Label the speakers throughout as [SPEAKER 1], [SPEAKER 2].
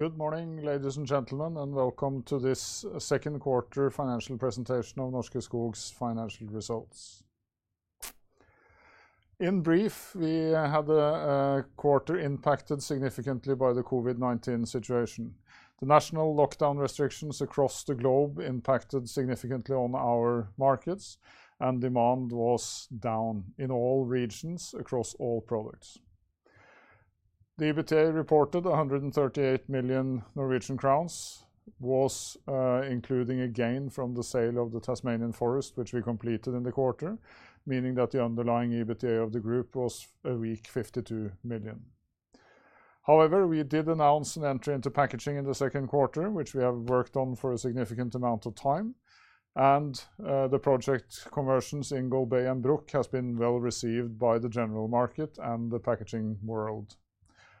[SPEAKER 1] Good morning, ladies and gentlemen, and welcome to this Q2 financial presentation of Norske Skog ASA. In brief, we had a quarter impacted significantly by the COVID-19 situation. The national lockdown restrictions across the globe impacted significantly on our markets, and demand was down in all regions across all products. The EBITDA reported NOK 138 million, including a gain from the sale of the Tasmanian forest, which we completed in the quarter, meaning that the underlying EBITDA of the group was a weak 52 million. However, we did announce an entry into packaging in the Q2, which we have worked on for a significant amount of time, and the project conversions in Golbey and Bruck have been well received by the general market and the packaging world.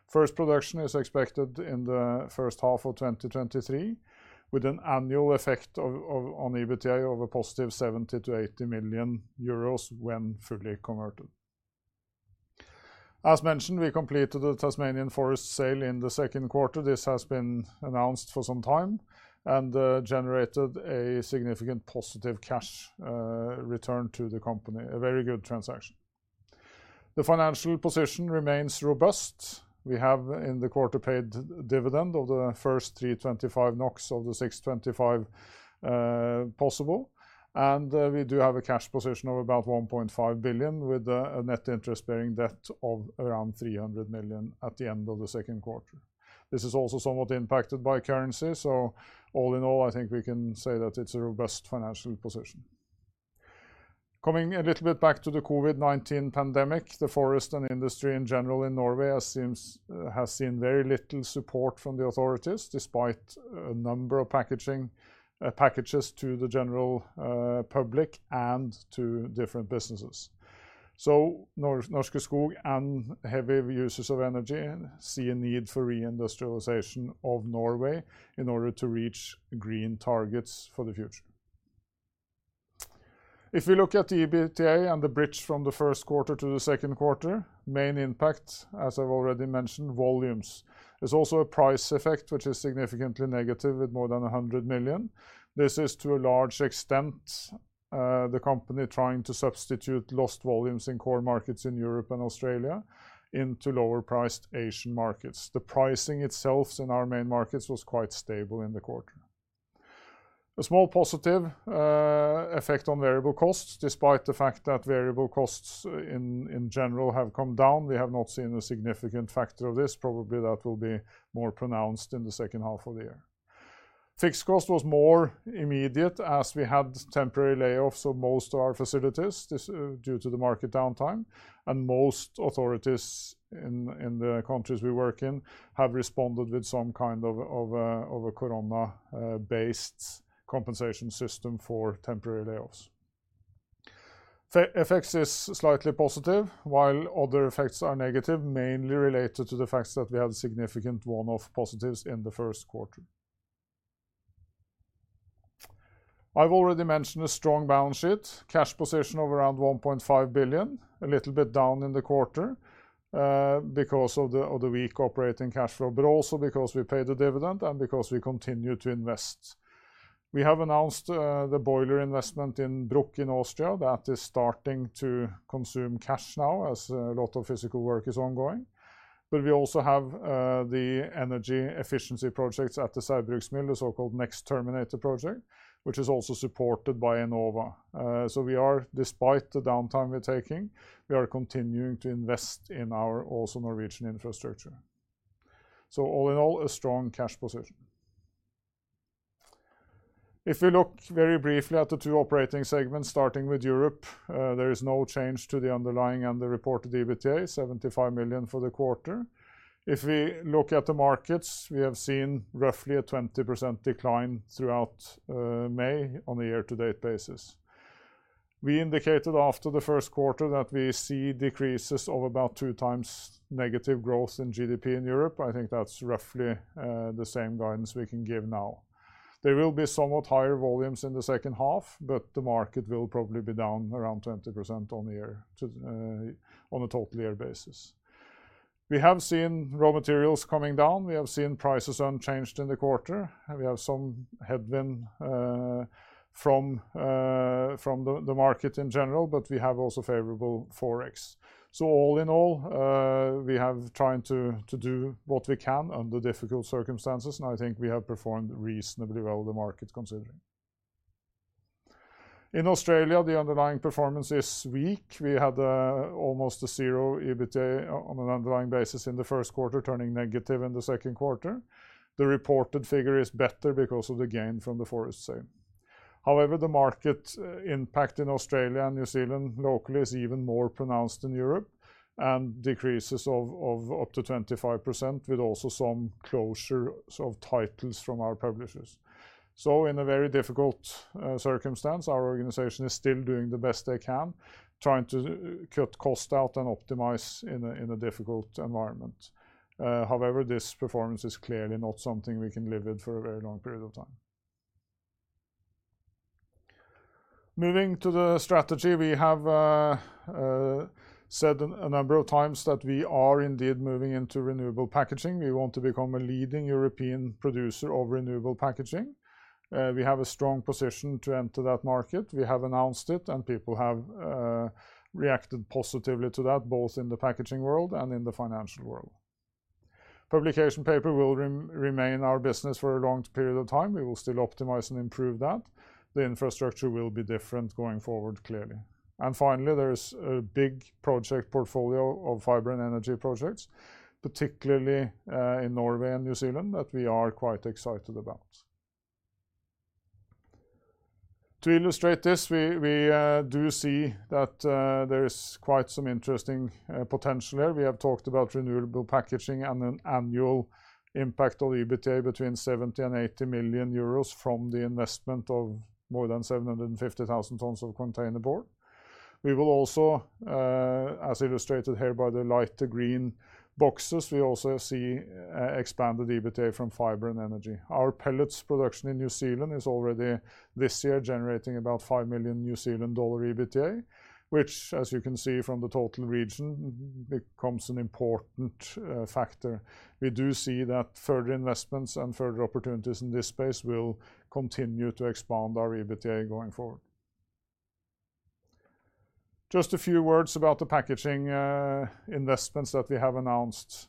[SPEAKER 1] First production is expected in the first half of 2023, with an annual effect on EBITDA of a positive 70 million-80 million euros when fully converted. As mentioned, we completed the Tasmanian forest sale in the Q2. This has been announced for some time and generated a significant positive cash return to the company, a very good transaction. The financial position remains robust. We have, in the quarter, paid dividend of the first 325 NOK of the 625 possible, and we do have a cash position of about 1.5 billion, with a net interest-bearing debt of around 300 million at the end of the Q2. This is also somewhat impacted by currency, so all in all, I think we can say that it's a robust financial position. Coming a little bit back to the COVID-19 pandemic, the forest and industry in general in Norway has seen very little support from the authorities, despite a number of packages to the general public and to different businesses. So Norske Skog and heavy users of energy see a need for reindustrialization of Norway in order to reach green targets for the future. If we look at the EBITDA and the bridge from the Q1 to the Q2, main impact, as I've already mentioned, volumes. There's also a price effect, which is significantly negative, with more than 100 million. This is, to a large extent, the company trying to substitute lost volumes in core markets in Europe and Australia into lower-priced Asian markets. The pricing itself in our main markets was quite stable in the quarter. A small positive effect on variable costs, despite the fact that variable costs in general have come down. We have not seen a significant factor of this. Probably that will be more pronounced in the second half of the year. Fixed cost was more immediate, as we had temporary layoffs of most of our facilities due to the market downtime, and most authorities in the countries we work in have responded with some kind of a corona-based compensation system for temporary layoffs. Effects are slightly positive, while other effects are negative, mainly related to the fact that we had significant one-off positives in the Q1. I've already mentioned a strong balance sheet, cash position of around 1.5 billion, a little bit down in the quarter because of the weak operating cash flow, but also because we paid a dividend and because we continue to invest. We have announced the boiler investment in Bruck in Austria that is starting to consume cash now, as a lot of physical work is ongoing. But we also have the energy efficiency projects at the Saugbrugs, the so-called Next Terminator project, which is also supported by Enova. So we are, despite the downtime we're taking, continuing to invest in our also Norwegian infrastructure. So all in all, a strong cash position. If we look very briefly at the two operating segments, starting with Europe, there is no change to the underlying and the reported EBITDA, 75 million for the quarter. If we look at the markets, we have seen roughly a 20% decline throughout May on a year-to-date basis. We indicated after the Q1 that we see decreases of about two times negative growth in GDP in Europe. I think that's roughly the same guidance we can give now. There will be somewhat higher volumes in the second half, but the market will probably be down around 20% on a total year basis. We have seen raw materials coming down. We have seen prices unchanged in the quarter. We have some headwind from the market in general, but we have also favorable forex. So all in all, we have tried to do what we can under difficult circumstances, and I think we have performed reasonably well in the market considering. In Australia, the underlying performance is weak. We had almost a zero EBITDA on an underlying basis in the Q1, turning negative in the Q2. The reported figure is better because of the gain from the forest sale. However, the market impact in Australia and New Zealand locally is even more pronounced in Europe, and decreases of up to 25% with also some closures of titles from our publishers. So in a very difficult circumstance, our organization is still doing the best they can, trying to cut costs out and optimize in a difficult environment. However, this performance is clearly not something we can live with for a very long period of time. Moving to the strategy, we have said a number of times that we are indeed moving into renewable packaging. We want to become a leading European producer of renewable packaging. We have a strong position to enter that market. We have announced it, and people have reacted positively to that, both in the packaging world and in the financial world. Publication paper will remain our business for a long period of time. We will still optimize and improve that. The infrastructure will be different going forward, clearly. And finally, there is a big project portfolio of fiber and energy projects, particularly in Norway and New Zealand, that we are quite excited about. To illustrate this, we do see that there is quite some interesting potential here. We have talked about renewable packaging and an annual impact of EBITDA between 70 million-80 million euros from the investment of more than 750,000 tons of containerboard. We will also, as illustrated here by the lighter green boxes, we also see expanded EBITDA from fiber and energy. Our pellets production in New Zealand is already this year generating about 5 million New Zealand dollar EBITDA, which, as you can see from the total region, becomes an important factor. We do see that further investments and further opportunities in this space will continue to expand our EBITDA going forward. Just a few words about the packaging investments that we have announced.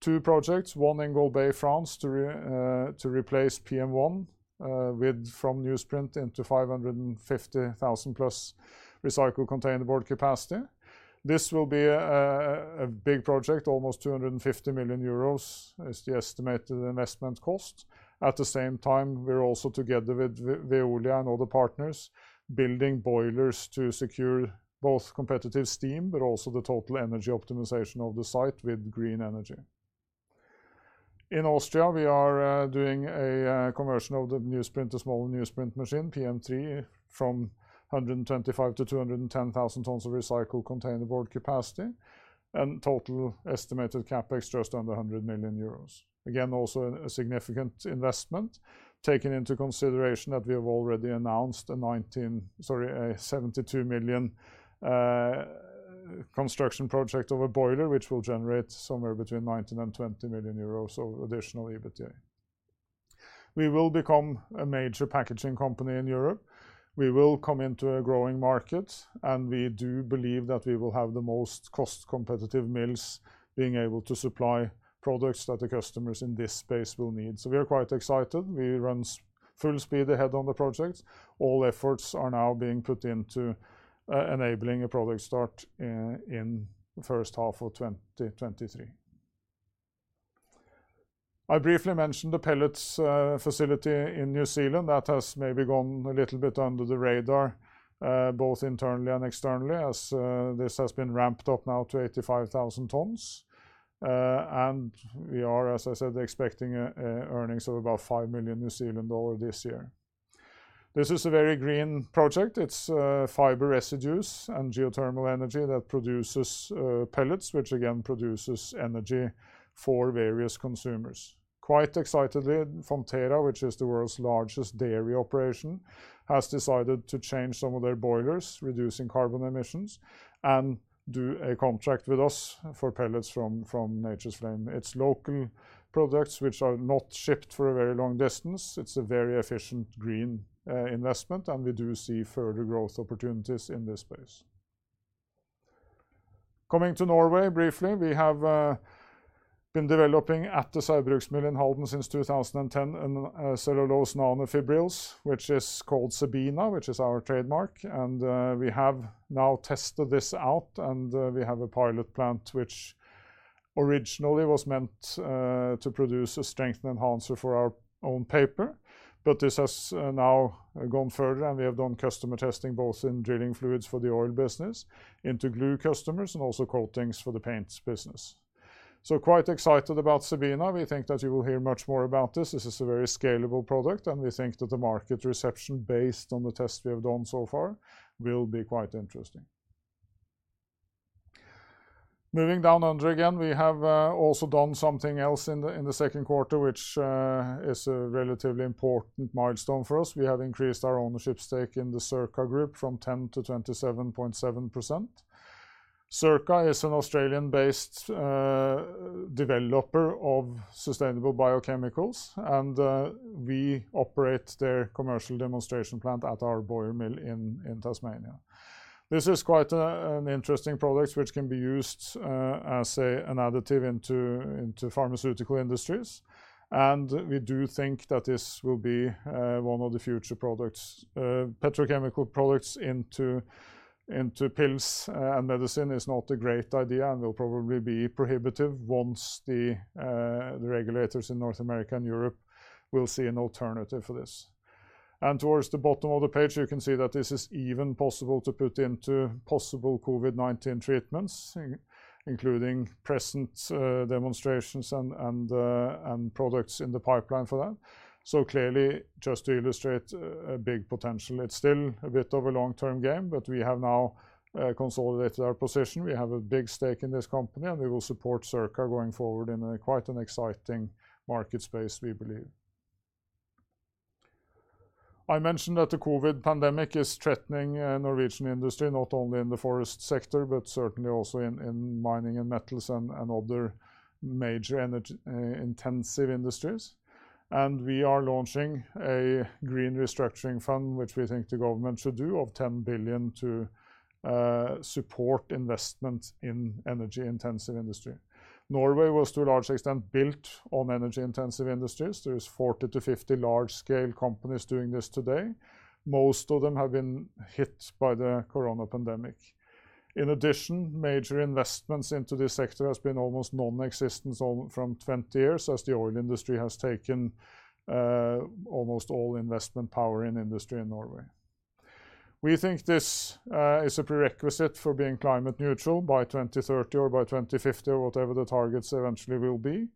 [SPEAKER 1] Two projects, one in Golbey, France, to replace PM1 from newsprint into 550,000+ recycled containerboard capacity. This will be a big project, almost 250 million euros is the estimated investment cost. At the same time, we're also together with Veolia and other partners building boilers to secure both competitive steam, but also the total energy optimization of the site with green energy. In Austria, we are doing a conversion of the newsprint to small newsprint machine, PM3, from 125,000 to 210,000 tons of recycled containerboard capacity, and total estimated CapEx just under 100 million euros. Again, also a significant investment taken into consideration that we have already announced a 72 million construction project of a boiler, which will generate somewhere between 19 million and 20 million euros of additional EBITDA. We will become a major packaging company in Europe. We will come into a growing market, and we do believe that we will have the most cost-competitive mills being able to supply products that the customers in this space will need. So we are quite excited. We run full speed ahead on the project. All efforts are now being put into enabling a product start in the first half of 2023. I briefly mentioned the pellets facility in New Zealand. That has maybe gone a little bit under the radar, both internally and externally, as this has been ramped up now to 85,000 tons. We are, as I said, expecting earnings of about 5 million New Zealand dollars this year. This is a very green project. It's fiber residues and geothermal energy that produces pellets, which again produces energy for various consumers. Quite excitedly, Fonterra, which is the world's largest dairy operation, has decided to change some of their boilers, reducing carbon emissions, and do a contract with us for pellets from Nature's Flame. It's local products, which are not shipped for a very long distance. It's a very efficient green investment, and we do see further growth opportunities in this space. Coming to Norway briefly, we have been developing at the Saugbrugs in Halden since 2010 a cellulose nanofibrils, which is called CEBINA, which is our trademark. We have now tested this out, and we have a pilot plant, which originally was meant to produce a strengthened enhancer for our own paper. But this has now gone further, and we have done customer testing both in drilling fluids for the oil business, into glue customers, and also coatings for the paints business. So quite excited about CEBINA. We think that you will hear much more about this. This is a very scalable product, and we think that the market reception based on the test we have done so far will be quite interesting. Moving down under again, we have also done something else in the Q2, which is a relatively important milestone for us. We have increased our ownership stake in the Circa Group from 10 to 27.7%. Circa is an Australian-based developer of sustainable biochemicals, and we operate their commercial demonstration plant at our Boyer mill in Tasmania. This is quite an interesting product, which can be used as an additive into pharmaceutical industries. We do think that this will be one of the future petrochemical products into pills and medicine is not a great idea and will probably be prohibitive once the regulators in North America and Europe will see an alternative for this. Towards the bottom of the page, you can see that this is even possible to put into possible COVID-19 treatments, including present demonstrations and products in the pipeline for that. Clearly, just to illustrate a big potential, it's still a bit of a long-term game, but we have now consolidated our position. We have a big stake in this company, and we will support Circa going forward in quite an exciting market space, we believe. I mentioned that the COVID pandemic is threatening Norwegian industry, not only in the forest sector, but certainly also in mining and metals and other major energy-intensive industries. We are launching a green restructuring fund, which we think the government should do, of 10 billion to support investment in energy-intensive industry. Norway was, to a large extent, built on energy-intensive industries. There are 40-50 large-scale companies doing this today. Most of them have been hit by the corona pandemic. In addition, major investments into this sector have been almost non-existent from 20 years, as the oil industry has taken almost all investment power in industry in Norway. We think this is a prerequisite for being climate neutral by 2030 or by 2050 or whatever the targets eventually will be.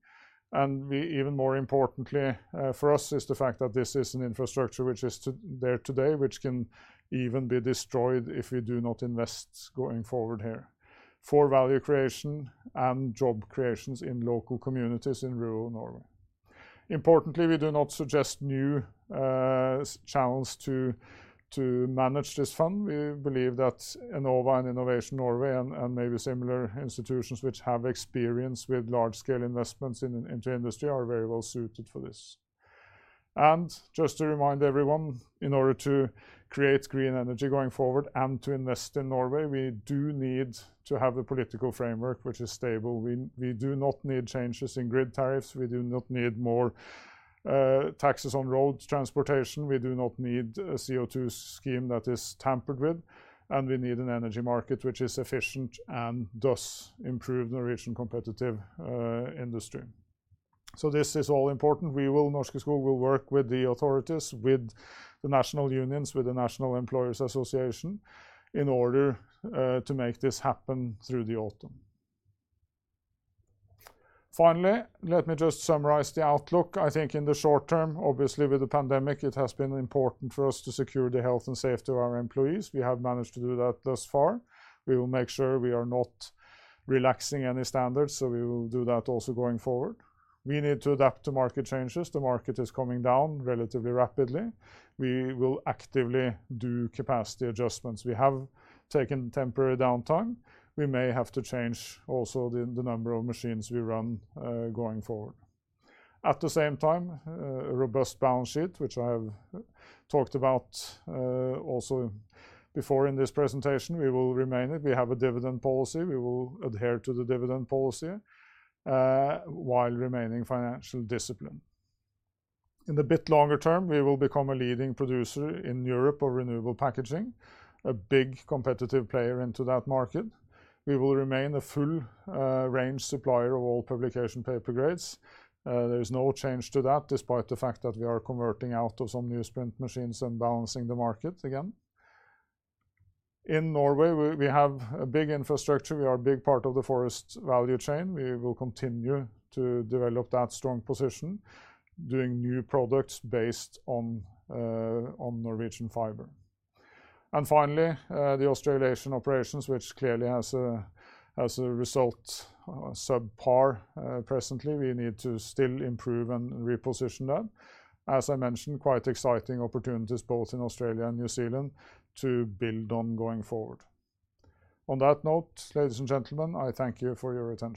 [SPEAKER 1] And even more importantly for us is the fact that this is an infrastructure which is there today, which can even be destroyed if we do not invest going forward here for value creation and job creations in local communities in rural Norway. Importantly, we do not suggest new channels to manage this fund. We believe that Enova and Innovation Norway and maybe similar institutions which have experience with large-scale investments into industry are very well suited for this. And just to remind everyone, in order to create green energy going forward and to invest in Norway, we do need to have a political framework which is stable. We do not need changes in grid tariffs. We do not need more taxes on road transportation. We do not need a CO2 scheme that is tampered with. We need an energy market which is efficient and does improve Norwegian competitive industry. This is all important. We will, Norske Skog, will work with the authorities, with the national unions, with the National Employers Association in order to make this happen through the autumn. Finally, let me just summarize the outlook. I think in the short term, obviously with the pandemic, it has been important for us to secure the health and safety of our employees. We have managed to do that thus far. We will make sure we are not relaxing any standards, so we will do that also going forward. We need to adapt to market changes. The market is coming down relatively rapidly. We will actively do capacity adjustments. We have taken temporary downtime. We may have to change also the number of machines we run going forward. At the same time, a robust balance sheet, which I have talked about also before in this presentation, we will remain in. We have a dividend policy. We will adhere to the dividend policy while remaining financially disciplined. In the bit longer term, we will become a leading producer in Europe of renewable packaging, a big competitive player into that market. We will remain a full-range supplier of all publication paper grades. There is no change to that, despite the fact that we are converting out of some newsprint machines and balancing the market again. In Norway, we have a big infrastructure. We are a big part of the forest value chain. We will continue to develop that strong position, doing new products based on Norwegian fiber. And finally, the Australian operations, which clearly have a result subpar presently, we need to still improve and reposition that. As I mentioned, quite exciting opportunities both in Australia and New Zealand to build on going forward. On that note, ladies and gentlemen, I thank you for your attention.